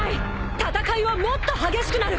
戦いはもっと激しくなる。